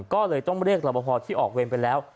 ก็เลยต้องเรียกรับประพอที่ออกเวรไปแล้ว